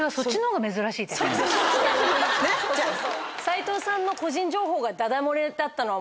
斉藤さんの個人情報がダダ漏れだったのは。